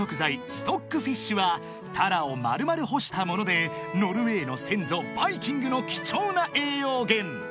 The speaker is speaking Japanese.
ストックフィッシュはタラを丸々干したものでノルウェーの先祖ヴァイキングの貴重な栄養源］